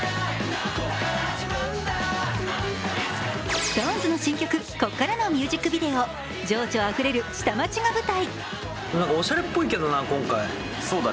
ＳｉｘＴＯＮＥＳの新曲「こっから」のミュージックビデオ、情緒あふれる下町が舞台。